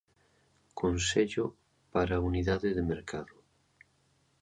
Consello para á unidade de Mercado.